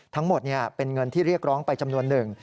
ทั้งหมดเป็นเงินที่เรียกร้องไปจำนวนหนึ่ง